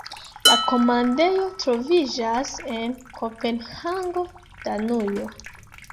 La komandejo troviĝas en Kopenhago, Danujo.